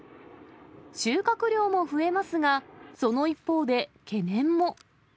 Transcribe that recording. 収穫量も増えますが、その一方で懸念も。